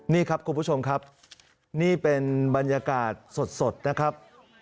นี่ครับคุณผู้ชมครับนี่เป็นบรรยากาศสดนะครับ